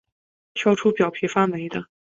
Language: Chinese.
挑出表皮发霉的